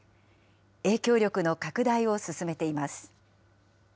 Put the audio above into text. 影響力の拡大を進めています。